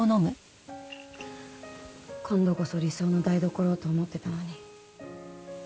今度こそ理想の台所をと思ってたのに。